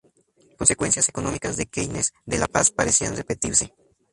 Consecuencias económicas de Keynes de la Paz parecían repetirse.